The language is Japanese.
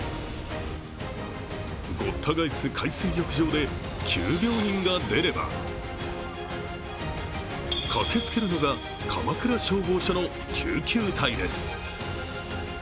ごった返す海水浴場で急病人が出れば、駆けつけるのが鎌倉消防署の救急隊です。